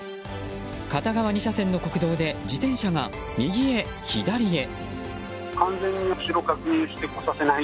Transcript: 片側２車線の国道で自転車が右へ、左へ。